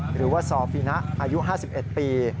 หรือว่าซอฟินะอายุ๕๑ปี